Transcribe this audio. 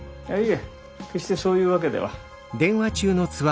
決してそういうわけでは。